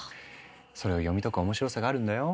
それを読み解く面白さがあるんだよ。